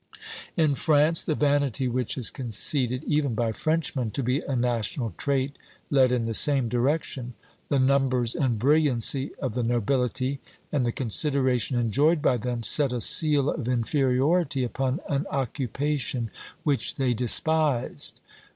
In France, the vanity which is conceded even by Frenchmen to be a national trait led in the same direction. The numbers and brilliancy of the nobility, and the consideration enjoyed by them, set a seal of inferiority upon an occupation which they despised.